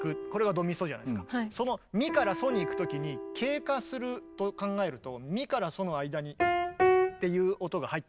そのミからソにいく時に経過すると考えるとミからソの間に。っていう音が入ってる。